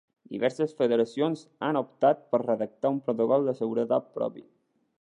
Diverses federacions han optat per redactar un protocol de seguretat propi.